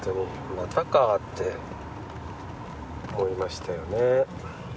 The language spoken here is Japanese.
「またか」って思いましたよね。